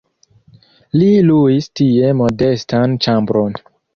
Li luis tie modestan ĉambron.